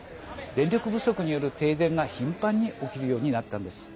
電力不足による停電が頻繁に起きるようになったんです。